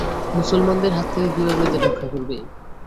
মুসলমানদের হাত থেকে কিভাবে এদের রক্ষা করবে?